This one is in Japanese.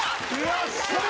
よっしゃー！